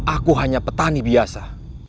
aku hanya petani biasa